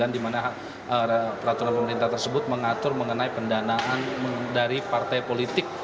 di mana peraturan pemerintah tersebut mengatur mengenai pendanaan dari partai politik